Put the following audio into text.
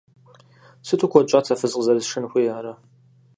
Сыту куэд щӀат сэ фыз къызэрысшэн хуеярэ!